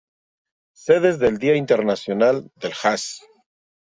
Sedes del Día Internacional del Jazz